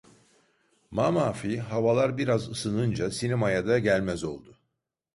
Mamafih havalar biraz ısınınca sinemaya da gelmez oldu.